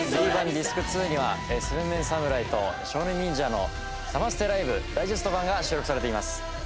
ＤＩＳＣ２には７ＭＥＮ侍と少年忍者のサマステライブダイジェスト版が収録されています。